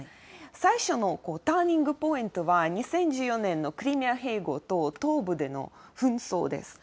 最初のターニングポイントは、２０１４年のクリミア併合と、東部での紛争です。